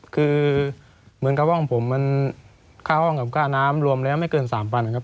คือเหมือนกับห้องผมมันค่าห้องกับค่าน้ำรวมแล้วไม่เกิน๓๐๐นะครับ